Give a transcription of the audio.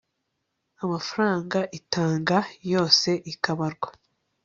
amafaranga itanga yose akabarwa